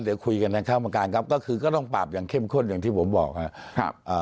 เดี๋ยวคุยกันนะครับประการครับก็คือก็ต้องปราบอย่างเข้มข้นอย่างที่ผมบอกครับอ่า